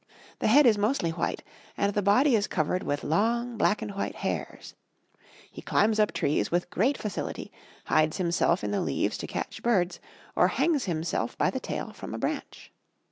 The head is mostly white, and the body is covered with long black and white hairs. He climbs up trees with great facility, hides himself in the leaves to catch birds, or hangs himself by the tail from a branch.